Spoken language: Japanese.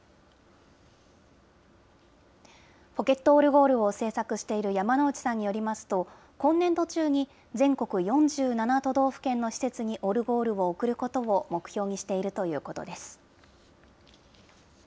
ポケットオルゴールを製作している山之内さんによりますと、今年度中に全国４７都道府県の施設にオルゴールを贈ることを目標にしているということです。